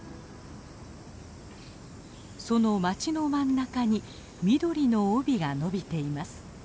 その街の真ん中に緑の帯が伸びています。